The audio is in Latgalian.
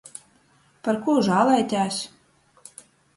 Par kū žālojatēs?